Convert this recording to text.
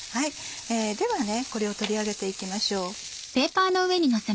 ではこれを取り上げていきましょう。